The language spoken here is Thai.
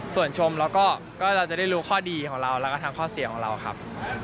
ส่วนชมแล้วก็เราจะได้รู้ข้อดีของเราแล้วก็ทั้งข้อเสียของเราครับ